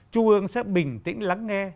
trung ương sẽ bình tĩnh lắng nghe